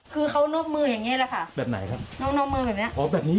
คือเขานอกมืออย่างเงี้แหละค่ะแบบไหนครับนอกนอมือแบบเนี้ยอ๋อแบบนี้